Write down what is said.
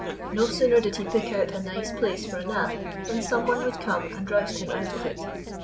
No sooner did he pick out a nice place for a nap than someone would come and roust him out of it.